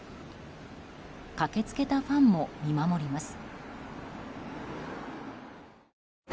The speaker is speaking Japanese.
駆け付けたファンも見守ります。